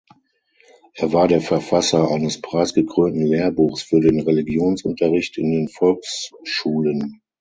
Er war der Verfasser eines preisgekrönten Lehrbuchs für den Religionsunterricht in den Volksschulen.